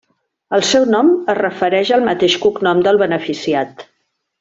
El seu nom es refereix al mateix cognom del beneficiat.